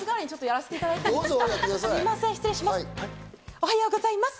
おはようございます。